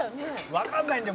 「わかんないんだよ